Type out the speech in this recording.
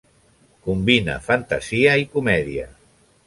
Combina fantasia i comèdia.